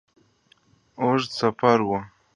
اوږد سفر وو.